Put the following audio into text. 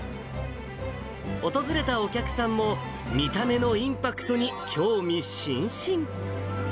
訪れたお客さんも、見た目のインパクトに興味津々。